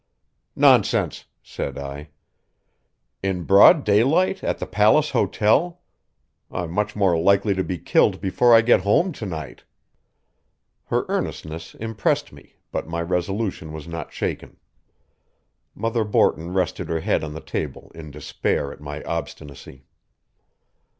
"Nonsense," said I. "In broad daylight, at the Palace Hotel? I'm much more likely to be killed before I get home to night." Her earnestness impressed me, but my resolution was not shaken. Mother Borton rested her head on the table in despair at my obstinacy.